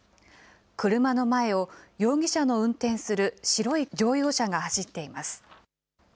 車の前を容疑者の運転する白い乗用車が走っています。